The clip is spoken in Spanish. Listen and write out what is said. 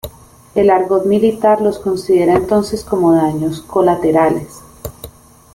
El argot militar los considera entonces como daños colaterales.